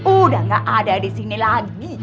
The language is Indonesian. udah gak ada di sini lagi